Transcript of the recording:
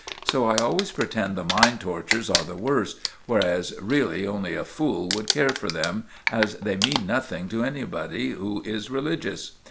So I always pretend the mind tortures are the worst, whereas really only a fool would care for them, as they mean nothing to anybody who is religious.